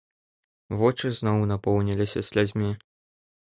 Вочы зноў напоўніліся слязьмі.